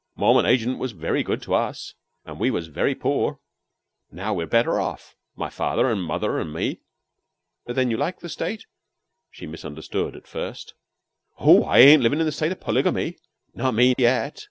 "The Mormon agent was very good to us, and we was very poor. Now we're better off my father, an' mother, an' me." "Then you like the State?" She misunderstood at first. "Oh, I ain't livin' in the state of polygamy. Not me, yet.